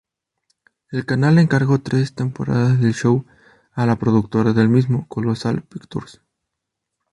El canal encargó tres temporadas del show a la productora del mismo, Colosal Pictures.